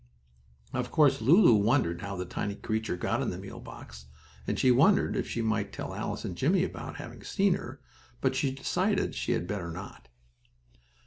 Of course, Lulu wondered how the tiny creature got into the meal box, and she wondered if she might tell Alice and Jimmie about having seen her, but she decided she had better not.